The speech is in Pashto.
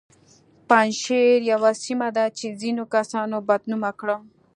پنجشیر یوه سیمه ده چې ځینو کسانو بد نومه کړه